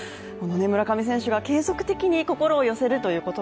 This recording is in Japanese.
村上選手は継続的に心を寄せるという言葉